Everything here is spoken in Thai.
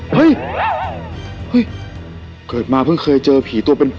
เฮ้ยเกิดมาเพิ่งเคยเจอผีตัวเป็น